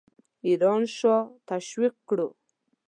ایران شاه تشویق کړو.